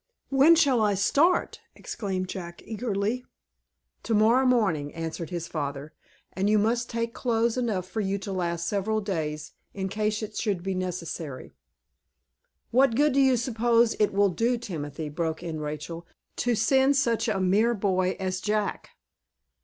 "When shall I start?" exclaimed Jack, eagerly. "To morrow morning," answered his father, "and you must take clothes enough with you to last several days, in case it should be necessary." "What good do you suppose it will do, Timothy," broke in Rachel, "to send such a mere boy as Jack?"